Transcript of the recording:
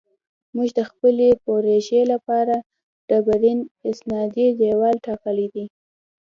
موږ د خپلې پروژې لپاره ډبرین استنادي دیوال ټاکلی دی